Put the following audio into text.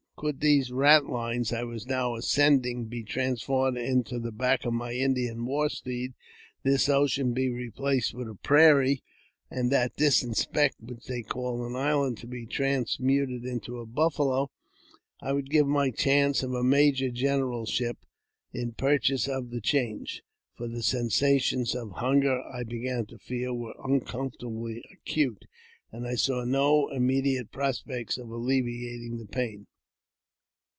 337 could those ratlines I was now ascending be transformed into the back of my Indian war steed, this ocean be replaced with a prairie, and that distant speck which they called an island be transmuted into a buffalo, I would give my chance of a major generalship in purchase of the change ; for the sensa tions of hunger I began to feel were uncomfortably acute, and I saw no immediate prospect of alleviating the pain.